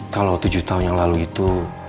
kalau tujuh tahun yang lalu itu